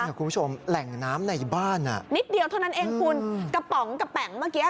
คุณผู้ชมแหล่งน้ำในบ้านอ่ะนิดเดียวเท่านั้นเองคุณกระป๋องกระแป๋งเมื่อกี้